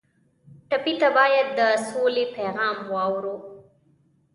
ټپي ته باید د سولې پیغام واورو.